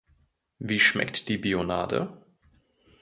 Wie schmeckt die Bionade?